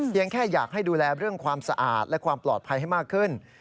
แค่อยากให้ดูแลเรื่องความสะอาดและความปลอดภัยให้มากขึ้น